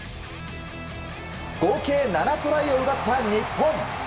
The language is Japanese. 合計７トライを奪った日本。